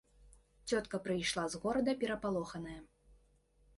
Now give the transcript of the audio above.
Цётка прыйшла з горада перапалоханая.